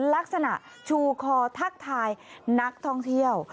ลักษณะชูคอทักทายนักท่องเที่ยว